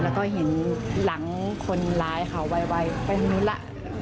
แล้วก็เห็นหลังคนร้ายค่ะไวไปทางนู้นล่ะ